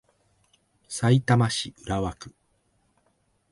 さいたま市浦和区